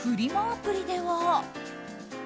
アプリでは。